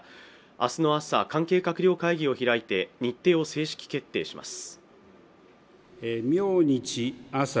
明日の朝関係閣僚会議を開いて日程を正式決定します